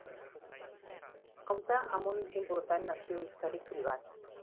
Compta amb un important arxiu històric privat.